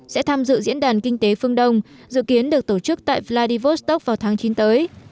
sẽ tham dự diễn đàn kinh tế phương đông dự kiến được tổ chức tại vladivostok vào tháng chín tới